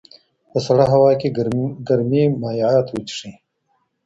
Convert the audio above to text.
په سړه هوا کې ګرمې مایعات وڅښئ.